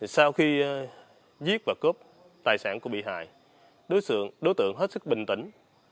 sau khi giết và cướp tài sản của bị hại đối tượng hết sức bình tĩnh